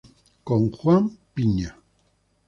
Con Juan Piña.